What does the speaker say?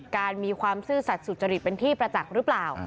การมีความซื่อสัตว์สุจริตเป็นที่ประจักษ์หรือเปล่า